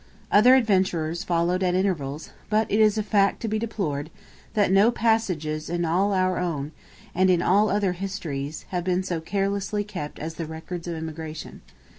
Other adventurers followed at intervals, but it is a fact to be deplored, that no passages in our own, and in all other histories, have been so carelessly kept as the records of emigration.